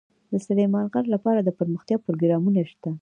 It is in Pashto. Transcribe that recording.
د سلیمان غر لپاره دپرمختیا پروګرامونه شته.